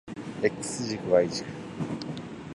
X 軸 Y 軸